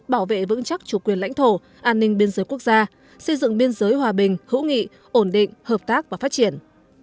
bảo vệ vững chắc chủ quyền lãnh thổ an ninh biên giới quốc gia xây dựng biên giới hòa bình hữu nghị ổn định hợp tác và phát triển